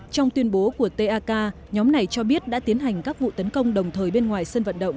trong tuyên bố của tak nhóm này cho biết đã tiến hành các vụ tấn công đồng thời bên ngoài sân vận động